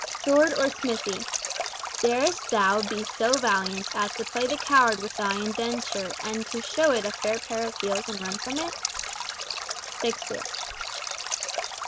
SWORD OR SMITHY "Darest thou be so valiant as to play the coward with thy indenture, and to show it a fair pair of heels and run from it?" Shakespeare.